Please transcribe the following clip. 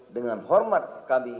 dengan hormat kami